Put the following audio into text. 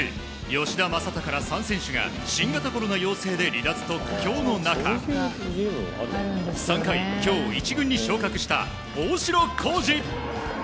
吉田正尚ら３選手が新型コロナ陽性で離脱と苦境の中３回、今日１軍に昇格した大城滉二。